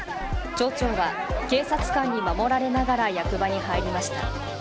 町長は警察官に守られながら役場に入りました。